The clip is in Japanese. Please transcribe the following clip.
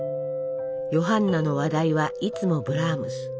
「ヨハンナの話題はいつもブラームス。